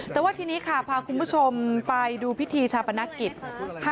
แต่ว่าทีนี้ค่ะพาคุณผู้ชมไปดูพิธีชาปนกิจ